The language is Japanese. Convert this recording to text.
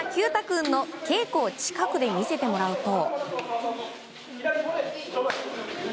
君の稽古を近くで見せてもらうと。